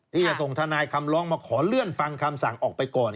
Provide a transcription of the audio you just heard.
ที่จะส่งทนายคำร้องมาขอเลื่อนฟังคำสั่งออกไปก่อน